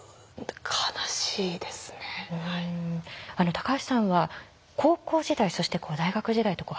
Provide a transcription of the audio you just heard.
高橋さんは高校時代そして大学時代と８年間病院の中で。